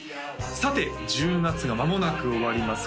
さて１０月がまもなく終わります